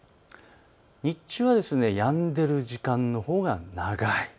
日中はやんでいる時間のほうが長い。